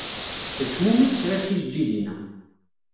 D kemm umi d-sɣiɣ tijeǧǧigin-a.